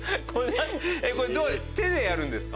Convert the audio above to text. これどう手でやるんですか？